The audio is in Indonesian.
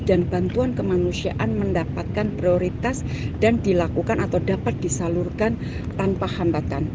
dan bantuan kemanusiaan mendapatkan prioritas dan dilakukan atau dapat disalurkan tanpa hambatan